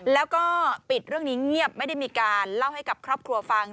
แล้วก็ปิดเรื่องนี้เงียบไม่ได้มีการเล่าให้กับครอบครัวฟัง